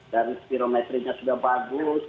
dan spirometrinya sudah bagus